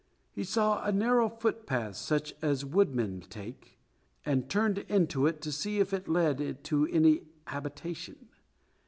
He saw a narrow footpath, such as woodmen take, and turned into it to see if it led to any habitation.